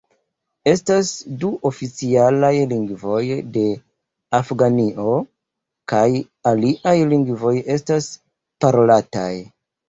Estas du oficialaj lingvoj de Afganio, kaj aliaj lingvoj estas parolataj.